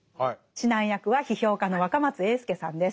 指南役は批評家の若松英輔さんです。